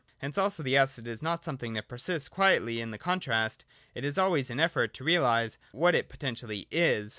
Hence also the acid is not something that persists quietly in the contrast : it is always in effort to realise what it poten tially is.